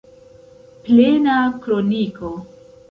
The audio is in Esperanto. Plena kroniko.